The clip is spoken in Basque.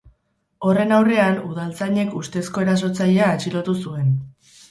Horren aurrean, udaltzainek ustezko erasotzailea atxilotu zuen.